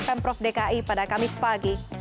pemprov dki pada kamis pagi